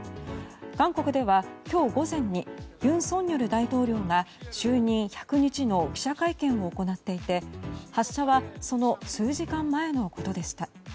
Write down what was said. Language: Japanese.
韓国では今日午前に尹錫悦大統領が就任１００日の記者会見を行っていて発射はその数時間前のことでした。